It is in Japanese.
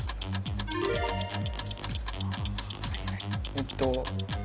えっと。